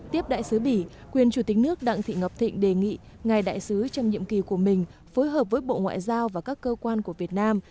tiếp đại sứ bỉ quyền chủ tịch nước đặng thị ngọc thịnh đề nghị ngài đại sứ trong nhiệm kỳ của mình phối hợp với bộ ngoại giao và các cơ quan của việt nam